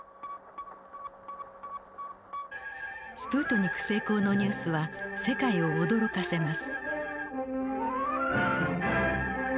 スプートニク成功のニュースは世界を驚かせます。